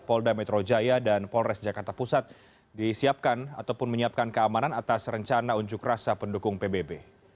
polda metro jaya dan polres jakarta pusat disiapkan ataupun menyiapkan keamanan atas rencana unjuk rasa pendukung pbb